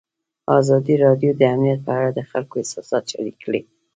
ازادي راډیو د امنیت په اړه د خلکو احساسات شریک کړي.